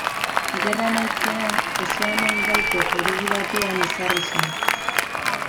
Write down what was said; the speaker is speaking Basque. Gerra amaitzean, Ozeano ibaiko jauregi batean ezarri zen.